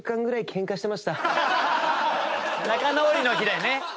仲直りの日だね。